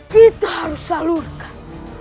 kita harus salurkan